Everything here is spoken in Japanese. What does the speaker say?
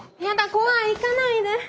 怖い行かないで！